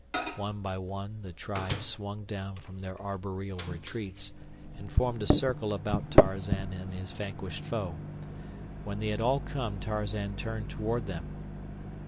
One by one the tribe swung down from their arboreal retreats and formed a circle about Tarzan and his vanquished foe. When they had all come Tarzan turned toward them.